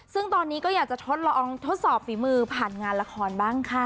ซึ่งตอนนี้ก็อยากจะทดลองทดสอบฝีมือผ่านงานละครบ้างค่ะ